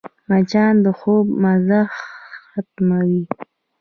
مچان د خوب مزه ختموي